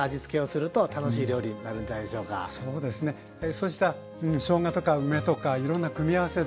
そうしたうんしょうがとか梅とかいろんな組み合わせで。